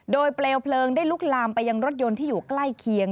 โดยเปลวเพลิงได้ลุกลามไปยังรถยนต์ที่อยู่ใกล้เคียง